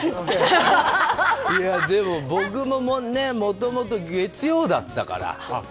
でも僕ももともと月曜だったから。